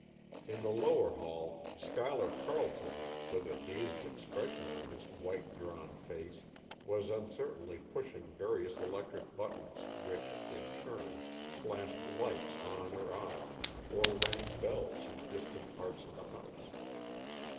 In the lower hall Schuyler Carleton, with a dazed expression on his white, drawn face, was uncertainly pushing various electric buttons which, in turn, flashed lights on or off, or rang bells in distant parts of the house.